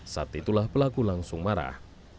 saat itulah pelaku langsung marah